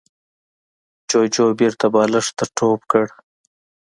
جوجو بېرته بالښت ته ټوپ کړ.